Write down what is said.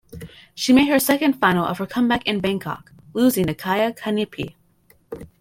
She made her second final of her comeback in Bangkok, losing to Kaia Kanepi.